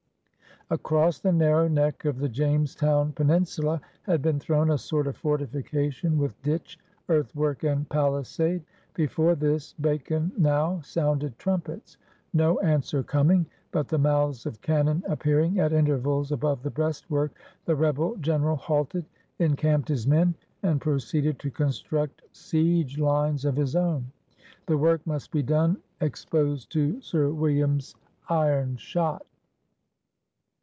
Across the narrow neck of the Jamestown penin 182 HONEERS OP THE OLD SOUTH sula had been thrown a sort of fortification with ditch, earthwork, and palisade. Before this Bacon now sounded trumpets. No ansWer coming, but the mouths of cannon appearing at intervals above the breastwork, the "rebel" general halted, en camped his men, and proceeded to construct si^e lines of his own. The work must be done exposed to Sir William's iron shot.